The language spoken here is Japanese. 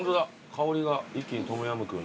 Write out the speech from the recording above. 香りが一気にトムヤムクンの。